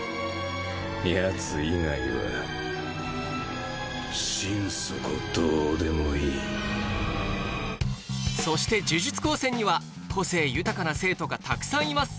ヤツ以外はそして呪術高専には個性豊かな生徒がたくさんいます